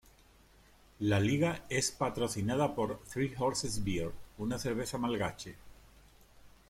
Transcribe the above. La liga es patrocinada por "Three Horses Beer", una cerveza malgache.